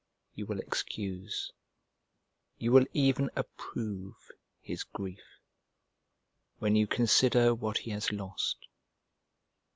You will excuse, you will even approve, his grief, when you consider what he has lost.